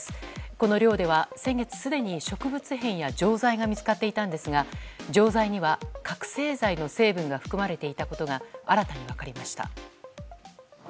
この寮では先月すでに植物片や錠剤が見つかっていましたが錠剤には覚醒剤の成分が含まれていたことが新たに分かりました。